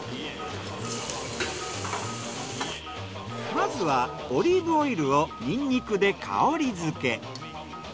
まずはオリーブオイルをニンニクで香りづけ。